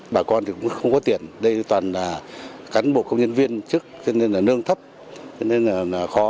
bà con thì cũng không có tiền đây toàn là cán bộ công nhân viên chức cho nên là nương thấp cho nên là khó